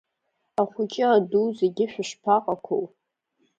Ахәыҷы аду зегьы шәышԥаҟақәоу?